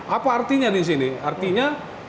apa artinya di sini artinya